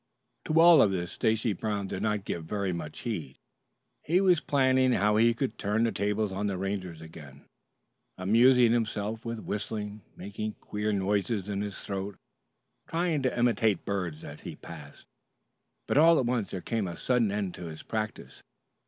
To all of this Stacy Brown did not give very much heed. He was planning how he could turn the tables on the Rangers again, amusing himself with whistling, making queer noises in his throat, trying to imitate birds that he passed. But all at once there came a sudden end to his practice.